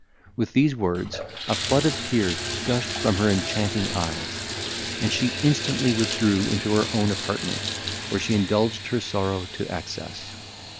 With these words, a flood of tears gushed from her enchanting eyes, and she instantly withdrew into her own apartment, where she indulged her sorrow to excess.